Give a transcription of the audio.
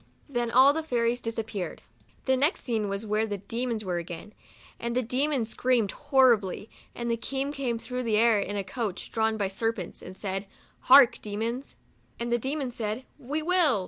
Then all the fairies dis appeared. The next scene was, where the demons were, again ; and the demons screamed horribly, and the King came through the air, in a coach, drawn by ser pents, and said, "Hark, Demons ;" and the demons said, " We will."